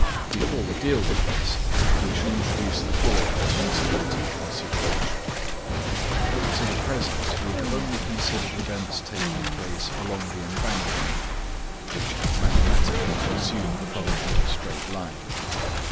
Before we deal with this, we shall introduce the following incidental consideration. Up to the present we have only considered events taking place along the embankment, which had mathematically to assume the function of a straight line.